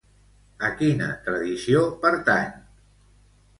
A quina tradició pertany?